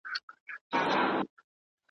پرانيزي او الهام ورکوي ,